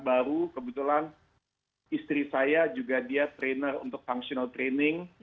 baru kebetulan istri saya juga dia trainer untuk functional training